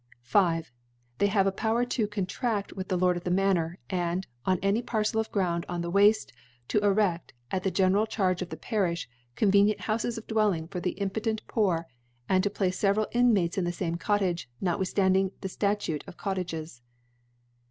V. They have a Power to contraft with the Lord of the Manor *, and on any Par cel of Ground on the Wafte, to creft, at the general Charge of the Pariih, convenient Houfes of Dwelling for the impotent Poor ; and to place feveral Inmates in the fame Cottage, notwithftanding the Sta tute f of Cottages.